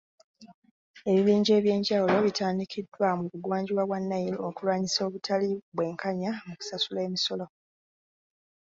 Ebibinja eby'enjawulo bitandikiddwa mu bugwanjuba bwa Nile okulwanyisa obutali bwekanya mu kusasula emisolo.